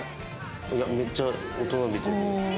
いやめっちゃ大人びてる。